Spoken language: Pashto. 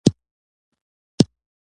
ټیکټاک د خوندورو نڅاګانو لپاره ځانګړی دی.